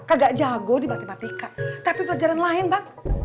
kagak jago di batik batikan tapi pelajaran lain bang